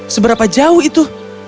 seberapa jauh itu